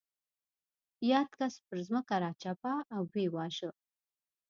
یاد کس پر ځمکه راچپه او ویې واژه.